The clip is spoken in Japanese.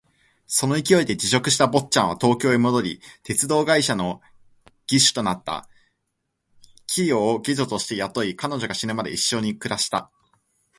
その勢いで辞職した坊っちゃんは東京へ戻り、鉄道会社の技手となった。清を下女として雇い、彼女が死ぬまで一緒に暮らした。